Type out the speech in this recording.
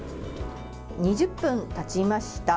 ２０分たちました。